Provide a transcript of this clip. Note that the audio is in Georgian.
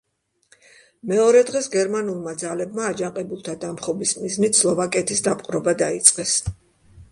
მეორე დღეს, გერმანულმა ძალებმა აჯანყებულთა დამხობის მიზნით სლოვაკეთის დაპყრობა დაიწყეს.